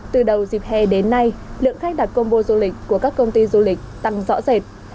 từ đầu dịp hè đến nay lượng khách đặt combo du lịch của các công ty du lịch tăng rõ rệt